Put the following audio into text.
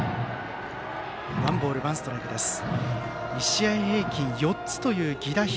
１試合平均４つという犠打飛。